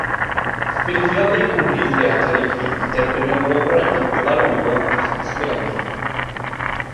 Ffurfiodd ei gwmni theatr ei hun a derbyniodd wobrau am gyfarwyddo ac ysgrifennu.